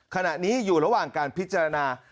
ขณะนี้อยู่ระหว่างการพิจารณา